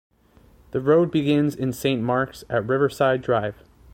The road begins in Saint Marks at Riverside Drive.